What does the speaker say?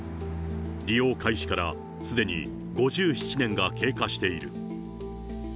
利用開始からすでに５７年が経過している。